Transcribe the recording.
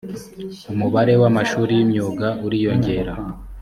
umubare w amashuri y imyuga uriyongera